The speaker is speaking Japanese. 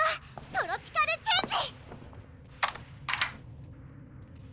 トロピカルチェンジ！